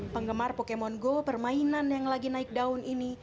penggemar pokemon go permainan yang lagi naik daun ini